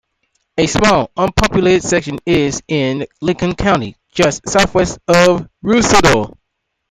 A small unpopulated section is in Lincoln County just southwest of Ruidoso.